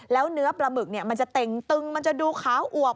แล้วเนื้อปลาหมึกมันจะเต็งตึงมันจะดูขาวอวบ